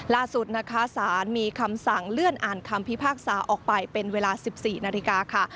ล่าสุดนะคะสารมีคำสั่งเลื่อนอ่านคำพิพากษาออกไปเป็นเวลา๑๔นาฬิกาค่ะ